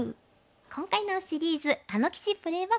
今回のシリーズ「あの棋士プレーバック！」